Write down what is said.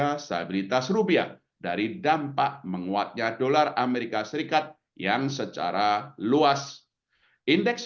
karena stabilitas rupiah dari dampak menguatnya dolar amerika serikat yang secara luas indeks